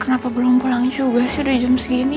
kenapa belum pulang juga sih dari jam segini